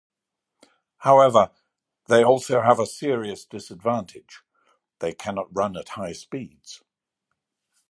However, they also have a serious disadvantage: they cannot run at high speeds.